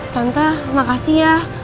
tante makasih ya